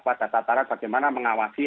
pada tataran bagaimana mengawasi